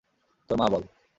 তোর মা বল।